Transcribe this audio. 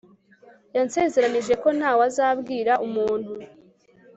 yansezeranije ko ntawe azabwira umuntu